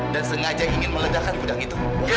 dan sengaja ingin meledakkan budang itu